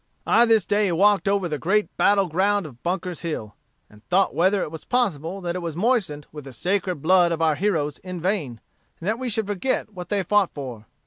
"I this day walked over the great battle ground of Bunker's Hill, and thought whether it was possible that it was moistened with the sacred blood of our heroes in vain, and that we should forget what they fought for.